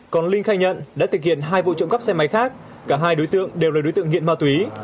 còn linh khai nhận đã thực hiện hai vụ trộm cắp xe máy khác cả hai đối tượng đều là đối tượng nghiện ma túy